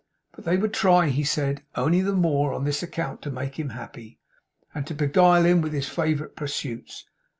But they would try, he said, only the more, on this account to make him happy, and to beguile him with his favourite pursuits.